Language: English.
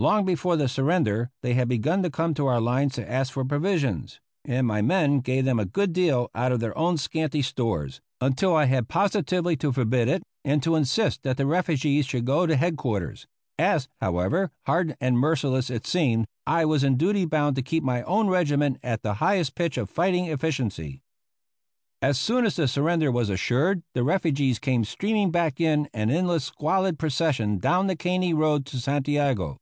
Long before the surrender they had begun to come to our lines to ask for provisions, and my men gave them a good deal out of their own scanty stores, until I had positively to forbid it and to insist that the refugees should go to head quarters; as, however hard and merciless it seemed, I was in duty bound to keep my own regiment at the highest pitch of fighting efficiency. As soon as the surrender was assured the refugees came streaming back in an endless squalid procession down the Caney road to Santiago.